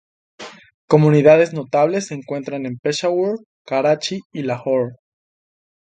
Comunidades notables se encuentran en Peshawar, Karachi y Lahore.